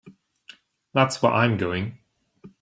That's where I'm going.